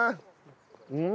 うん！